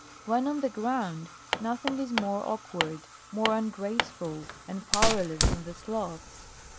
3. When on the ground, nothing is more awkward, more un graceful and powerless than the sloths.